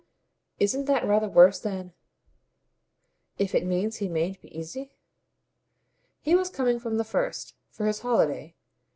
"Isn't that rather worse then if it means he mayn't be easy?" "He was coming, from the first, for his holiday.